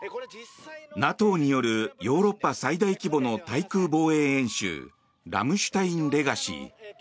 ＮＡＴＯによるヨーロッパ最大規模の対空防衛演習ラムシュタイン・レガシー。